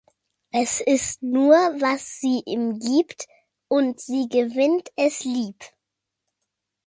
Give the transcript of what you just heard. Es isst nur, was sie ihm gibt, und sie gewinnt es lieb.